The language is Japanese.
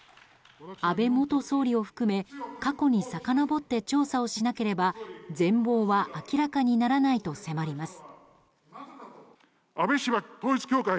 安倍元総理を含め過去にさかのぼって調査をしなければ全貌は明らかにならないと迫ります。